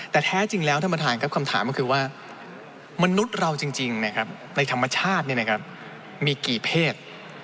แต่แท้จริงแล้วท่านประธานครับคำถามก็คือว่ามนุษย์เราจริงในธรรมชาติมีกี่เพศ